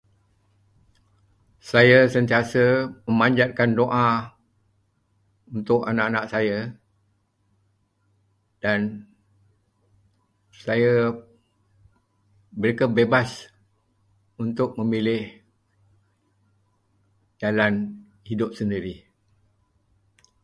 Saya sentiasa memanjatkan doa untuk anak-anak saya dan saya- mereka bebas untuk memilih jalan hidup sendiri.